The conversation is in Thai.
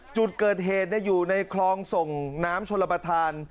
จุดเกิดเหตุอยู่ในคลองส่งน้ำชนประธาน